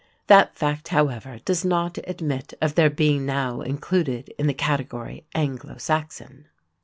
That fact, however, does not admit of their being now included in the category "Anglo Saxon."